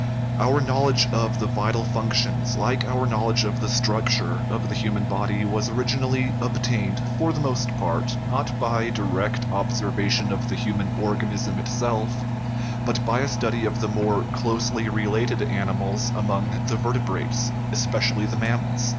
Our knowledge of the vital functions, like our knowl edge of the structure of the human body, was originally obtained, for the most part, not by direct observation of the human organism itself, but by a study of the more closely related animals among the vertebrates, espe cially the mammals.